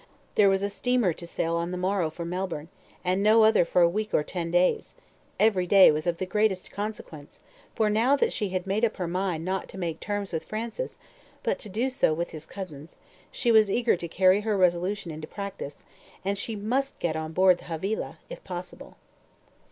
There was a steamer to sail on the morrow for Melbourne, and no other for a week or ten days; every day was of the greatest consequence, for now that she had made up her mind not to make terms with Francis, but to do so with his cousins, she was eager to carry her resolution into practice, and she must get on board the Havilah, if possible.